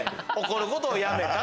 怒ることをやめた。